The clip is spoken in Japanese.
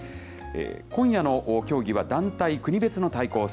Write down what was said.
今夜の競技は団体国別の対抗戦。